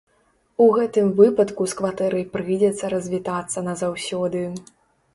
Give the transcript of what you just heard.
У гэтым выпадку з кватэрай прыйдзецца развітацца назаўсёды.